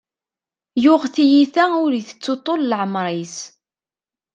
Yuɣ tiyita ur itettu ṭṭul n leɛmer-is.